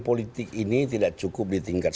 politik ini tidak cukup di tingkat